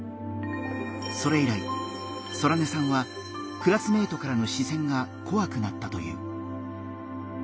それ以来ソラネさんはクラスメイトからの視線がこわくなったという。